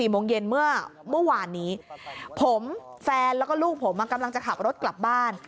โมงเย็นเมื่อวานนี้ผมแฟนแล้วก็ลูกผมกำลังจะขับรถกลับบ้าน